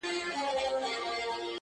د ورځي سور وي رسوایي وي پکښې،